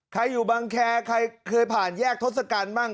ใครอยู่บังแคร์ใครเคยผ่านแยกทศกัณฐ์บ้าง